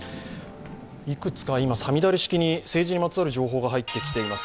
いくつか今、五月雨式に政治にまつわる情報が入ってきています。